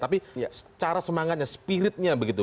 tapi cara semangatnya spiritnya begitu